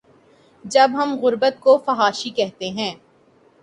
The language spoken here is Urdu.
جب ہم غربت کو فحاشی کہتے ہیں۔